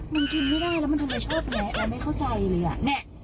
มันกินไม่ได้แล้วมันทำไมชอบยังไงแอมไม่เข้าใจเลยอ่ะ